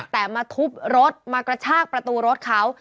แต่มาทุบรถมากระชากประตูรถเขา